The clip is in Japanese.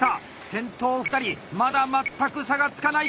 先頭２人まだ全く差がつかないか！